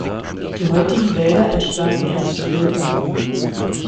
Die heutigen Wälder entstanden erst später.